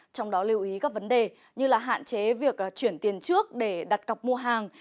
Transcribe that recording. trong đó lưu ý các vấn đề như là hạn chế việc chuyển tiền trước để đặt cọc mua hàng